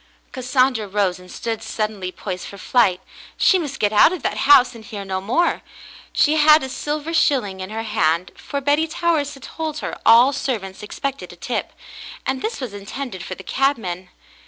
Cassandra rose and stood suddenly poised for flight. She must get out of that house and hear no more. She had a silver shilling in her hand, for Betty Towers had told her all servants expected a tip, and this was intended for the cabman.